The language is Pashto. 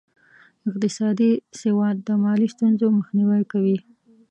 اقتصادي سواد د مالي ستونزو مخنیوی کوي.